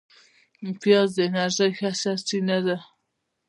پیاز د انرژۍ ښه سرچینه ده